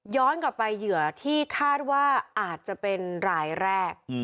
กลับไปเหยื่อที่คาดว่าอาจจะเป็นรายแรก